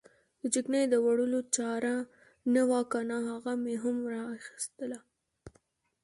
د چکنۍ د وړلو چاره نه وه کنه هغه مې هم را اخیستله.